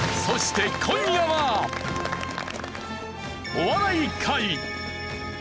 お笑い界。